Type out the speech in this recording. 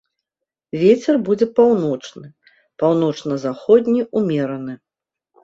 Вецер будзе паўночны, паўночна-заходні ўмераны.